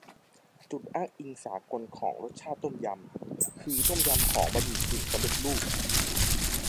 จุดอ้างอิงสากลของรสชาติต้มยำ คือต้มยำของบะหมี่กึ่งสำเร็จรูป